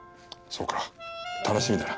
そうか楽しみだな。